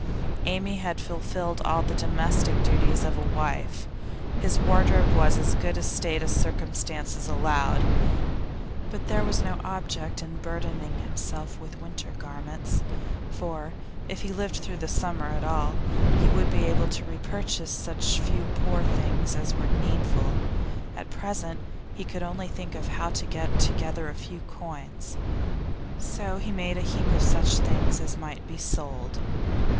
Amy had fulfilled all the domestic duties of a wife; his wardrobe was in as good a state as circumstances allowed. But there was no object in burdening himself with winter garments, for, if he lived through the summer at all, he would be able to repurchase such few poor things as were needful; at present he could only think of how to get together a few coins. So he made a heap of such things as might be sold.